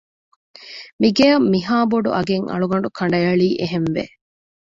މިގެއަށް މިހާބޮޑު އަގެއް އަޅުގަނޑު ކަނޑައެޅީ އެހެންވެ